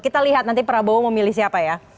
kita lihat nanti prabowo memilih siapa ya